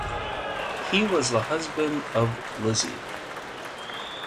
He was the husband of Lizzie.